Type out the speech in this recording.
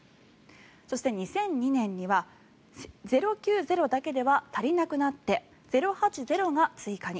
そして２００２年には０９０だけでは足りなくなって０８０が追加に。